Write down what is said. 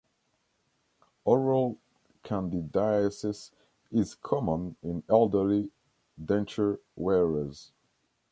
Oral candidiasis is common in elderly denture wearers.